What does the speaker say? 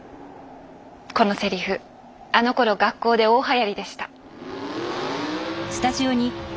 このセリフあのころ学校で大はやりでした。